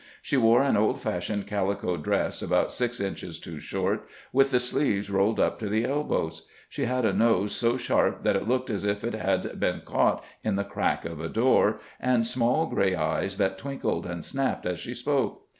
She wore an old fashioned calico dress about six inches too short, with the sleeves rolled up to the elbows. She had a nose so sharp that it looked as if it had been caught in the crack of a door, and small gray eyes that twinkled and snapped as she spoke.